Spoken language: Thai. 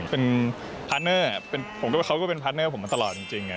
เป็นพาร์ทเนอร์ผมก็ว่าเขาก็เป็นพาร์ทเนอร์ผมมาตลอดจริง